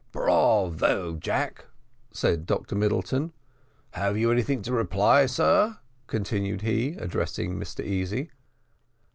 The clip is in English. "Bravo, Jack!" said Dr Middleton. "Have you anything to reply, sir?" continued he, addressing Mr Easy.